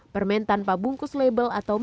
permen tanpa bungkus label atau